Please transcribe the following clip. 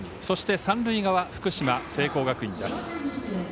そして、三塁側福島、聖光学院です。